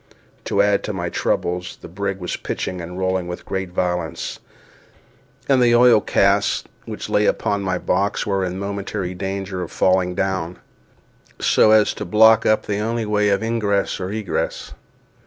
To add to my troubles, the brig was pitching and rolling with great violence, and the oil casks which lay upon my box were in momentary danger of falling down, so as to block up the only way of ingress or egress.